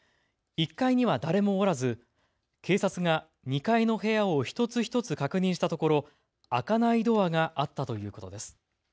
１階には誰もおらず、警察が２階の部屋を一つ一つ確認したところ、開かないドアがあったということです。